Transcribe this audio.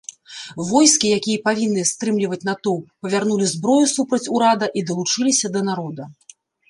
Войскі, якія павінны стрымліваць натоўп, павярнулі зброю супраць урада і далучыліся да народа.